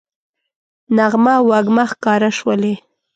نغمه او وږمه ښکاره شولې